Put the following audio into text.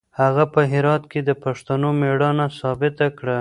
هغه په هرات کې د پښتنو مېړانه ثابته کړه.